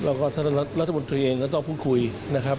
แล้วก็ท่านรัฐมนตรีเองก็ต้องพูดคุยนะครับ